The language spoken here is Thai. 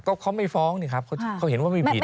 ก็เขาไม่ฟ้องนี่ครับเขาเห็นว่าไม่ผิด